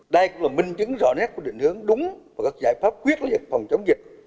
đây cũng là minh chứng rõ nét của định hướng đúng và các giải pháp quyết liệt phòng chống dịch